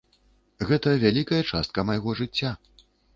Гэта вялікая частка майго жыцця.